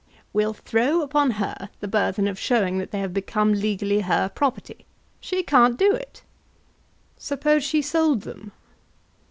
"We'll throw upon her the burthen of showing that they have become legally her property. She can't do it." "Suppose she sold them?"